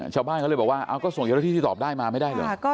ชาวบ้านเขาเลยบอกว่าก็ส่งเยอะที่ตอบได้มาไม่ได้หรือ